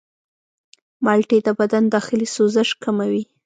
مالټې د بدن داخلي سوزش کموي.